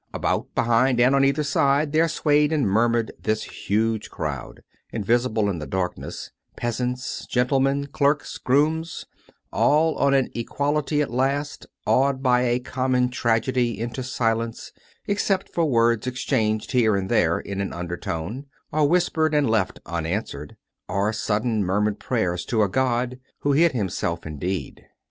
About, behind and on either side, there swayed and murmured this huge crowd — invisible in the darkness — peasants, gentlemen, clerks, grooms — all on an equality at last, awed by a common tragedy into silence, except for words exchanged here and there in an undertone, or whispered and left unanswered, or sudden murmured prayers to a God who hid Himself indeed.